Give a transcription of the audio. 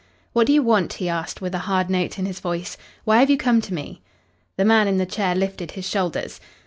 "What do you want?" he asked, with a hard note in his voice. "Why have you come to me?" The man in the chair lifted his shoulders.